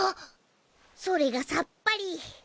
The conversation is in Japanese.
それがさっぱり。